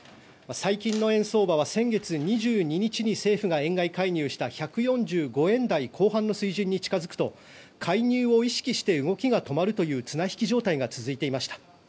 最近の円相場は先月２２日に政府が円買い介入した１４５円台後半の水準に近付くと介入を意識して動きが止まるという綱引き状態が続いていました。